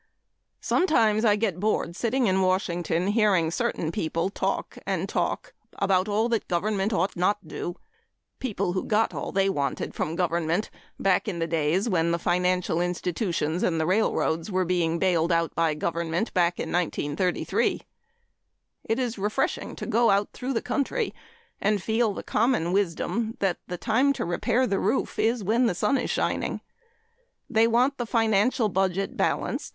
Sometimes I get bored sitting in Washington hearing certain people talk and talk about all that government ought not do people who got all they wanted from government back in the days when the financial institutions and the railroads were being bailed out by the government in 1933. It is refreshing to go out through the country and feel the common wisdom that the time to repair the roof is when the sun is shining. They want the financial budget balanced.